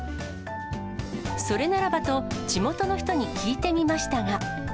それならばと、地元の人に聞いてみましたが。